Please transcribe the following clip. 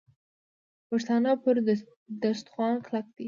پښتانه پر دسترخوان کلک دي.